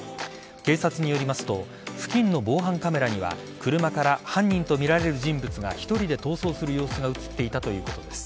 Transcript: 警察によりますと付近の防犯カメラには車から犯人とみられる人物が１人で逃走する様子が映っていたということです。